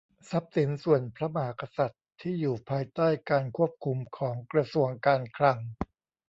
ทรัพย์สินส่วนพระมหากษัตริย์ ที่อยู่ภายใต้การควบคุมของกระทรวงการคลัง